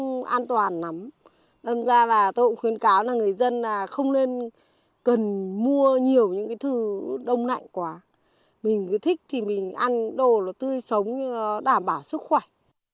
không an toàn lắm đâm ra là tôi cũng khuyến cáo là người dân là không nên cần mua nhiều những cái thứ đông lạnh quá mình cứ thích thì mình ăn đồ nó tươi sống nhưng nó đảm bảo sức khỏe